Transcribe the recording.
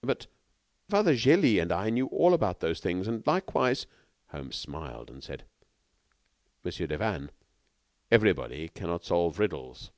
"But, Father Gélis and I knew all about those things, and, likewise " Holmes smiled, and said: "Monsieur Devanne, everybody cannot solve riddles."